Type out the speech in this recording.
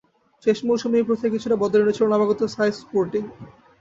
শেষ মৌসুমে এই প্রথায় কিছুটা বদল এনেছিল নবাগত সাইফ স্পোর্টিং।